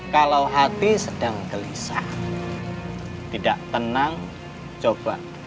kalau hati sedang gelisah tidak tenang coba